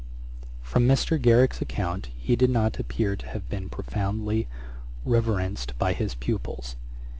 From Mr. Garrick's account he did not appear to have been profoundly reverenced by his pupils.